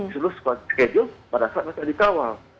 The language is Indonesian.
di luar schedule pada saat mereka dikawal